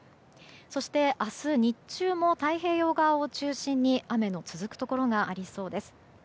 そして、明日日中も太平洋側を中心に雨の続くところがありそうです。